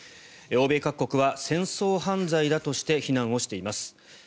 欧米各国は戦争犯罪だとして非難をしています。